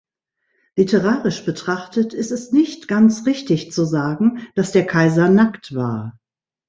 Literarisch betrachtet, ist es nicht ganz richtig zu sagen, dass der Kaiser nackt war.